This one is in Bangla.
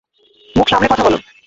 মুখ সামলে কথা বল!